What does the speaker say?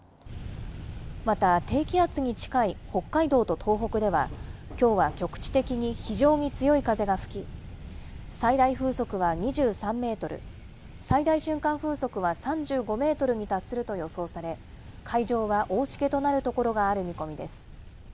また低気圧に近い北海道と東北では、きょうは局地的に非常に強い風が吹き、最大風速は２３メートル、最大瞬間風速は３５メートルに達すると予想され、海上は大しけとなる所がある見込みです。